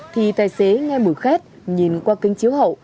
thì tài xế nghe bụi khét nhìn qua kênh chiếu hậu